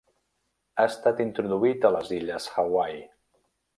Ha estat introduït a les illes Hawaii.